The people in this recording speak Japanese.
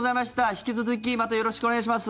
引き続きまたよろしくお願いします。